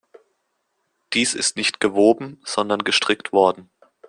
Dies ist nicht gewoben, sondern gestrickt worden.